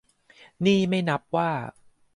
นี่ไม่นับว่า